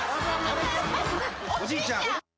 おじいちゃん！